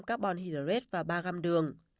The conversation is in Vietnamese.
carbon hydrate và ba gram đường